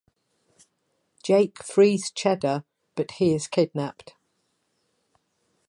Jake frees Cheddar but he is kidnapped.